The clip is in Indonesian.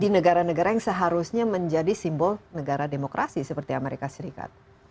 di negara negara yang seharusnya menjadi simbol negara demokrasi seperti amerika serikat